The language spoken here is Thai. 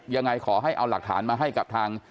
ยังไงขอให้เอาหลักฐานมาให้กับทาง